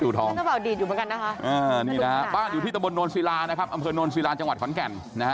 เพื่อนเจ้าเบ่าดีดอยู่เหมือนกันนะฮะนี่นะฮะบ้านอยู่ที่ตะบลโนนศิรานะครับ